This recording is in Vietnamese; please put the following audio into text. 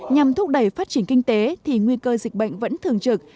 nhằm thúc đẩy phát triển kinh tế thì nguy cơ dịch bệnh vẫn thường trực